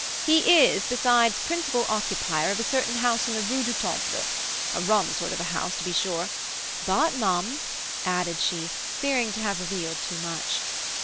"He is, besides, principal occupier of a certain house in the Rue du Temple, a rum sort of a house, to be sure; but mum," added she, fearing to have revealed too much.